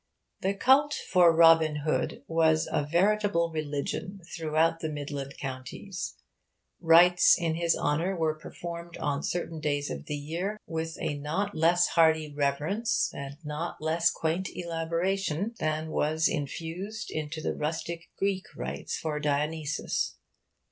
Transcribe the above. The cult for Robin Hood was veritably a religion throughout the Midland Counties. Rites in his honour were performed on certain days of the year with a not less hearty reverence, a not less quaint elaboration, than was infused into the rustic Greek rites for Dionysus.